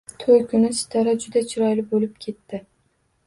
To`y kuni Sitora juda chiroyli bo`lib ketdi